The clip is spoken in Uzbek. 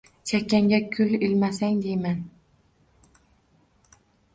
Chakkangga gul ilmasang deyman